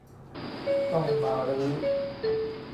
ต้องมารื้อ